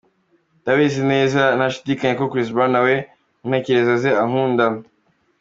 Ndabizi neza ntashidikanya ko Chris Brown nawe mu ntekerezo ze ankunda.